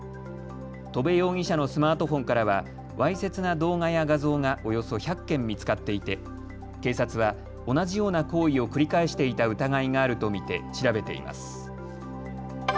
戸部容疑者のスマートフォンからはわいせつな動画や画像がおよそ１００件見つかっていて警察は同じような行為を繰り返していた疑いがあると見て調べています。